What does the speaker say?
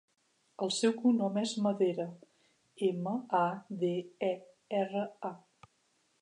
El seu cognom és Madera: ema, a, de, e, erra, a.